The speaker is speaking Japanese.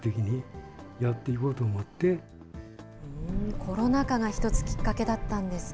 コロナ禍が一つきっかけだったんですか。